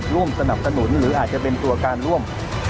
ร่วมสนับสนุนหรืออาจจะเป็นตัวการร่วม